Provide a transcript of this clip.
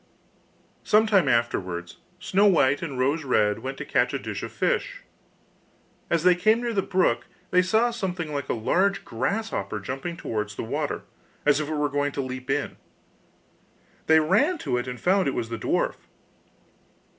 Some time afterwards Snow white and Rose red went to catch a dish of fish. As they came near the brook they saw something like a large grasshopper jumping towards the water, as if it were going to leap in. They ran to it and found it was the dwarf.